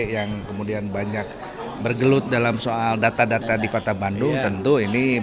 yang kemudian banyak bergelut dalam soal data data di kota bandung tentu ini